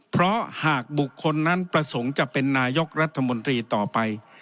เพราะหากบุคคลนั้นประสงค์จะเป็นนายกรัฐมนตรีต่อไป